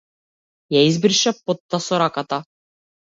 Ја избриша потта со раката.